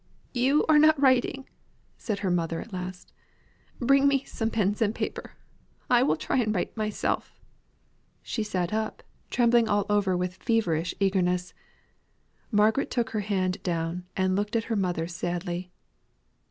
"You are not writing!" said her mother at last. "Bring me some pens and paper; I will try and write myself." She sat up, trembling all over with feverish eagerness. Margaret took her hand down, and looked at her mother sadly.